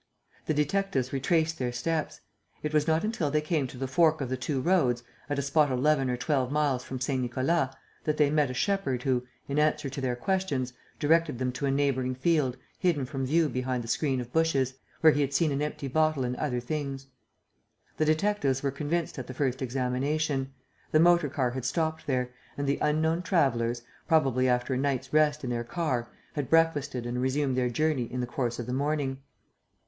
The detectives retraced their steps. It was not until they came to the fork of the two roads, at a spot eleven or twelve miles from Saint Nicolas, that they met a shepherd who, in answer to their questions, directed them to a neighbouring field, hidden from view behind the screen of bushes, where he had seen an empty bottle and other things. The detectives were convinced at the first examination. The motor car had stopped there; and the unknown travellers, probably after a night's rest in their car, had breakfasted and resumed their journey in the course of the morning.